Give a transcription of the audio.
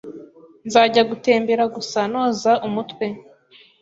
Nzajya gutembera gusa noza umutwe